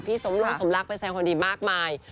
พี่สมร่วงสมรักไปแสงความดีมากมาย